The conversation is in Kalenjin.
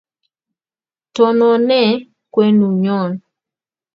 tonone kwenunyon